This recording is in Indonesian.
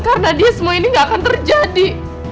karena dia semua ini gak akan terjadi